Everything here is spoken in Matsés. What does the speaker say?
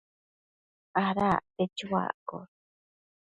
Ada acte chuaccosh